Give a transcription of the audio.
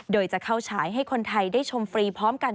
โดยจะเข้าฉายให้คนไทยได้ชมฟรีพร้อมกัน